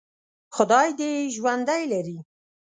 خدای دې یې ژوندي لري.